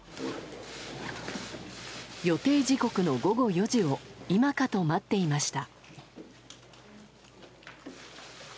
予定時刻の午後４時を今かと待っていました。